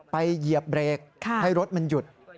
เหยียบเบรกให้รถมันหยุด